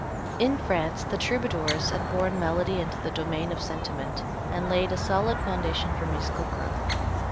In France, the troubadours had borne melody into the domain of sentiment, and laid a solid foundation for musical growth.